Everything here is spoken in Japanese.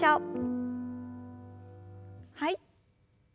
はい。